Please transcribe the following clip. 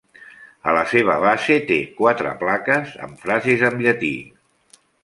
A la seva base té quatre plaques, amb frases amb llatí.